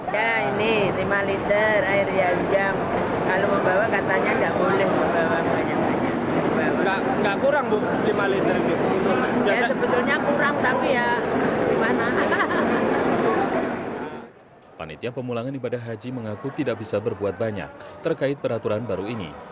panitia pemulangan ibadah haji mengaku tidak bisa berbuat banyak terkait peraturan baru ini